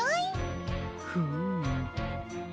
フーム。